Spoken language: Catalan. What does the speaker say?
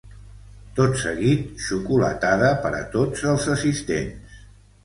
Tot seguit, xocolatada per a tots els assistents.